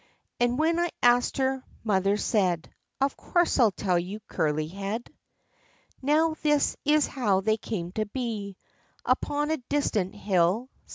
And when I asked her, mother said, Of course, I 'll tell you, Curlyhead : "Now, this is how they came to he — Upon a distant hill, C!